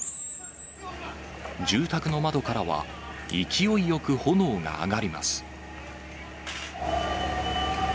住宅の窓からは勢いよく炎が上がります。